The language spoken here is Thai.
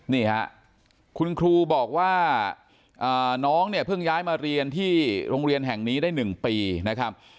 นี่ค่ะคุณครูบอกว่าน้องเนี่ยเพิ่งย้ายมาเรียนที่โรงเรียนแห่งนี้ได้๑ปีนะครับ